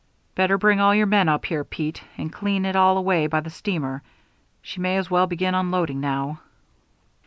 "Better bring all your men up here, Pete, and clean it all away by the steamer. She may as well begin unloading now."